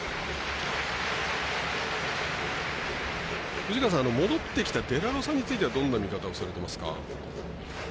藤川さん、戻ってきたデラロサについてはどんな見方をされていますか？